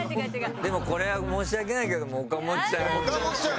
でもこれは申し訳ないけども岡本ちゃん。